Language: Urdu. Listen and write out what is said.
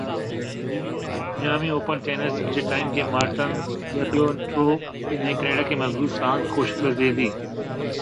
میامی اوپن ٹینس ارجنٹائن کے مارٹین ڈیلپوٹرو نے کینیڈا کے ملیوس رانک کو شکست دے دی